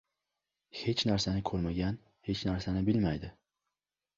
• Hech narsani ko‘rmagan hech narsani bilmaydi.